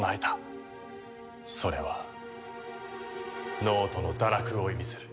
それは脳人の堕落を意味する。